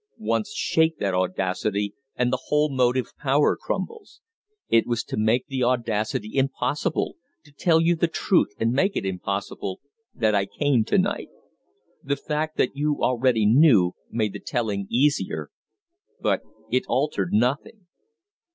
Once shake that audacity and the whole motive power crumbles. It was to make the audacity impossible to tell you the truth and make it impossible that I came to night. The fact that you already knew made the telling easier but it altered nothing."